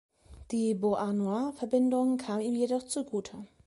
Die Beauharnois-Verbindung kam ihm jedoch zu Gute.